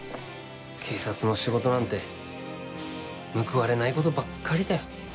警察の仕事なんて報われないことばっかりだよ。